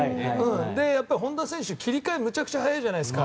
やっぱり本田さんは切り替えがめちゃくちゃ早いじゃないですか。